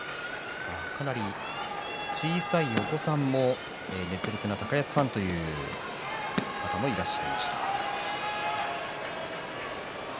かなり小さいお子さんも熱烈な高安ファンという方もいらっしゃいました。